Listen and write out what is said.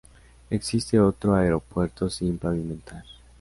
Existe otro aeropuerto sin pavimentar.